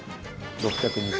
６２０円。